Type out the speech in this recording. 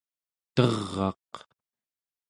ter'aq